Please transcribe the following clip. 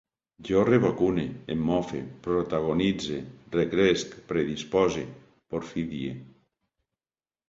Jo revacune, em mofe, protagonitze, recresc, predispose, porfidie